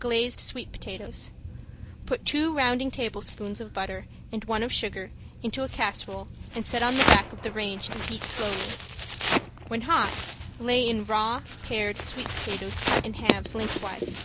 ~GLAZED SWEET POTATOES~ Put two rounding tablespoons of butter and one of sugar into a casserole and set on the back of the range to heat slowly. When hot lay in raw, pared sweet potatoes cut in halves, lengthwise.